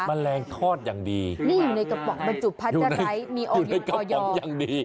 แมลงทอดอย่างดีอยู่ในกระป๋องมันจุดพันธุ์อะไรอยู่ในกระป๋องอย่างดี